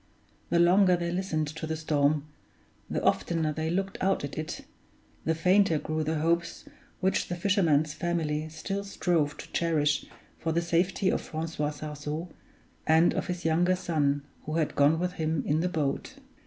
The longer they listened to the storm, the oftener they looked out at it, the fainter grew the hopes which the fisherman's family still strove to cherish for the safety of Francois Sarzeau and of his younger son who had gone with him in the boat.